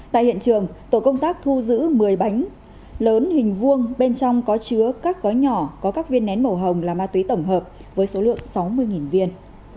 tại hiện trường tổ công tác thu giữ một mươi bánh lớn hình vuông bên trong có chứa các gói nhỏ có các viên nén màu hồng là ma túy tổng hợp với số lượng sáu mươi viên